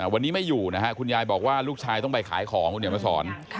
วันนี้ไม่อยู่นะฮะคุณยายบอกว่าลูกชายต้องไปขายของคุณเดี๋ยวมาสอน